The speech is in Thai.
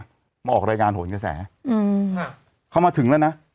นี่สองคนนี่มาออกรายการหนทนกระแสอืมฮะเขามาถึงแล้วนะ